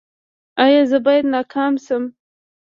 ایا زه باید ناکام شم؟